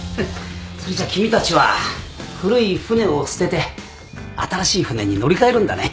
それじゃ君たちは古い船を捨てて新しい船に乗り換えるんだね